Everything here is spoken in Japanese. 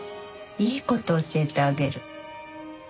いい事教えてあげる。